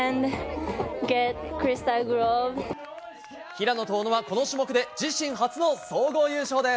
平野と小野は、この種目で自身初の総合優勝です。